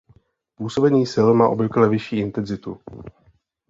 Působení sil má obvykle vyšší intenzitu.